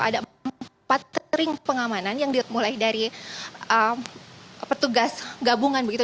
ada empat ring pengamanan yang dimulai dari petugas gabungan begitu